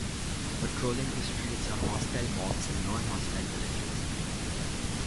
Patrolling the streets are hostile mobs and non-hostile villagers.